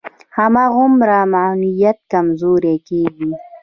هماغومره معنویت کمزوری کېږي.